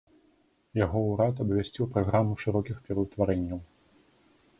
Яго ўрад абвясціў праграму шырокіх пераўтварэнняў.